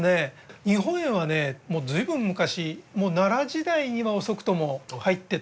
日本へはねもう随分昔奈良時代には遅くとも入ってたようでございまして。